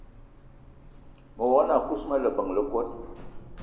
Me wog-na o kousma leben le kot